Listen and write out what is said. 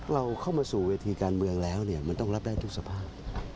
เราเข้ามาสู่เวทีการเมืองแล้วมันต้องรับได้ทุกสภาพ